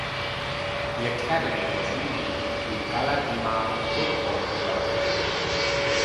The Academy was renamed to Galadima Football Club.